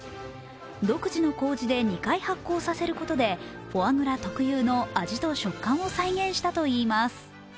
独自のこうじで２回発酵させることでフォアグラ特有の味と食感を再現したといいます。